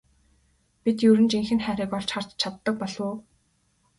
Бид ер нь жинхэнэ хайрыг олж харж чаддаг болов уу?